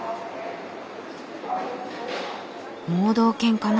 盲導犬かな？